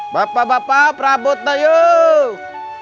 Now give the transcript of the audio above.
bapak bapak perabot na yuk